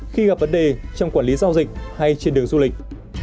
khi gặp vấn đề trong quản lý giao dịch hay trên đường du lịch